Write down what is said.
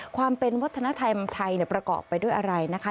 ความเป็นวัฒนธรรมไทยประกอบไปด้วยอะไรนะคะ